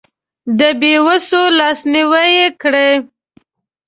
د بې وسو لاسنیوی یې کړی.